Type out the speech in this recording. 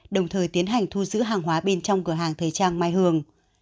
đồng thời tiến hành thu giữ hàng hóa bên trong cửa hàng thời trang mai hường